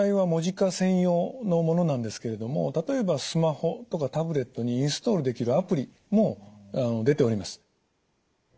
専用のものなんですけれども例えばスマホとかタブレットにインストールできるアプリも出ております。